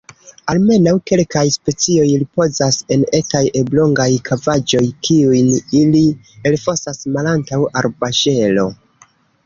Almenaŭ kelkaj specioj ripozas en etaj oblongaj kavaĵoj kiujn ili elfosas malantaŭ arboŝelo.